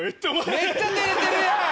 めっちゃ照れてるやん！